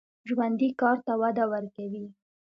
ژوندي کار ته وده ورکوي